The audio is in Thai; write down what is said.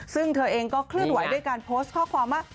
ซึ่งเธอเองก็เคลื่อนไหวด้วยการโพสต์ข้อความว่า